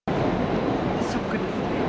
ショックですね。